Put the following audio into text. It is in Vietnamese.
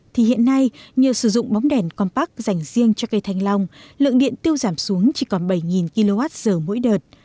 thì hiện nay nhờ sử dụng bóng đèn compac dành riêng cho cây thanh long lượng điện tiêu giảm xuống chỉ còn bảy kwh mỗi đợt